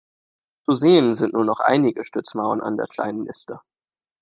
Zu sehen sind nur noch einige Stützmauern an der Kleinen Nister.